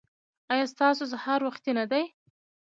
ایا ستاسو سهار وختي نه دی؟